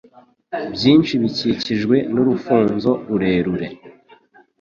byinshi bikikijwe n'urufunzo rurerure